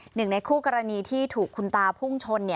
หนึ่งในคู่กรณีที่ถูกคุณตาพุ่งชน